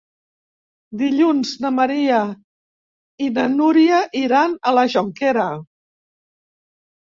Dilluns na Maria i na Núria iran a la Jonquera.